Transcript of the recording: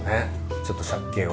ちょっと借景を。